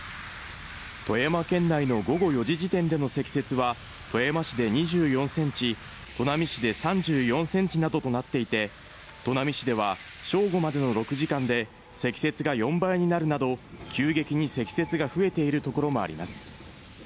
富山県内の午後４時時点での積雪は富山市で２４ｃｍ、砺波市で３４ｃｍなどとなっていて、砺波市では正午までの６時間で積雪が４倍になるなど急激に積雪が増えているところもあります。